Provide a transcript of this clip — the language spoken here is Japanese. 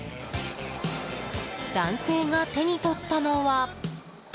男性が手に取ったのは。